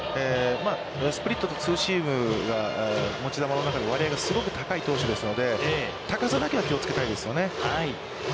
スプリットとツーシームが持ち球の中で割合が高い投手ですので、高さだけは気をつけたいですよね。